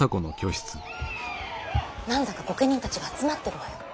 何だか御家人たちが集まってるわよ。